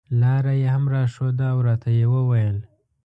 لاره یې هم راښوده او راته یې وویل.